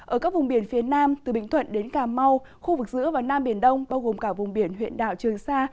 ở các vùng biển phía nam từ bình thuận đến cà mau khu vực giữa và nam biển đông bao gồm cả vùng biển huyện đảo trường sa